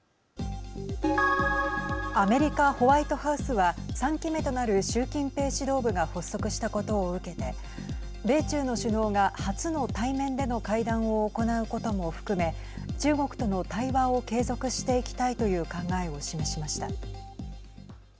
アメリカ、ホワイトハウスは３期目となる習近平指導部が発足したことを受けて米中の首脳が初の対面での会談を行うことも含め中国との対話を継続していきたいという考えを示しました。